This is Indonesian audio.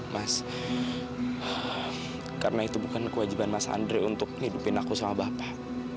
mas karena itu bukan kewajiban mas andre untuk ngidupin aku sama bapak